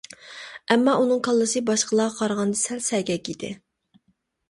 ئەمما ئۇنىڭ كاللىسى باشقىلارغا قارىغاندا سەل سەگەك ئىدى.